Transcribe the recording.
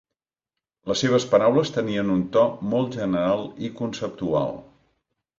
Les seves paraules tenien un to molt general i conceptual.